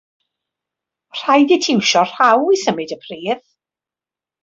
Rhaid i ti iwsio rhaw i symud y pridd.